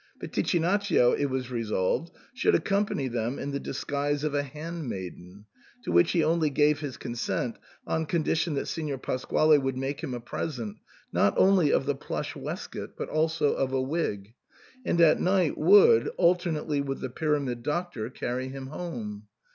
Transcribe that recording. Piti chinaccio, it was resolved, should accompany them in the disguise of a handmaiden, to which he only gave his consent on condition that Signor Pasquale would make him a present, not only of the plush waistcoat, but also of a wig, and at night would, alternately with the Pyramid Doctor, carry him home.